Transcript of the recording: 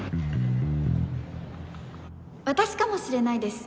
私かもしれないです